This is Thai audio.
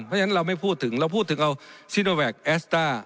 เพราะฉะนั้นเราไม่พูดถึงเราพูดถึงเอาซิโนแวคแอสต้า